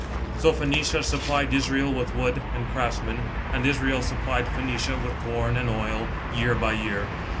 So Phoenicia supplied Israel with wood and craftsmen, and Israel supplied Phoenicia with corn and oil, year by year.